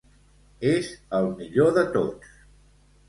És el millor de tots.